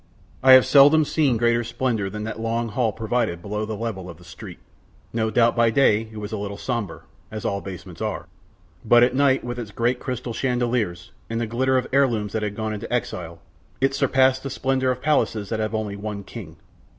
I have seldom seen greater splendour than that long hall provided below the level of the street. No doubt by day it was a little sombre, as all basements are, but at night with its great crystal chandeliers, and the glitter of heirlooms that had gone into exile, it surpassed the splendour of palaces that have only one king.